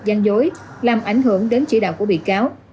gian dối làm ảnh hưởng đến chỉ đạo của bị cáo